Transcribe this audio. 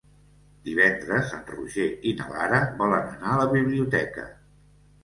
Divendres en Roger i na Lara volen anar a la biblioteca.